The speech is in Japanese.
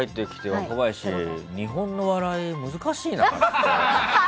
若林、日本の笑い、難しいなって。